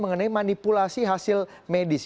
mengenai manipulasi hasil medis